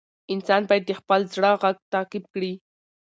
انسان باید د خپل زړه غږ تعقیب کړي.